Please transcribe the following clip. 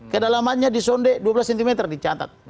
kedalamannya disonde dua belas cm dicatat